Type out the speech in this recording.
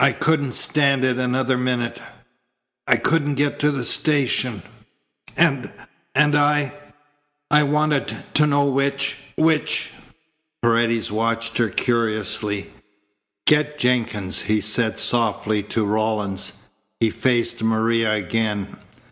"I couldn't stand it another minute. I couldn't get to the station, and I I wanted to know which which " Paredes watched her curiously. "Get Jenkins," he said softly to Rawlins. He faced Maria again.